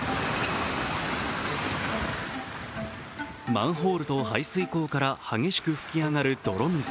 マンホールと排水溝から激しく噴き上がる泥水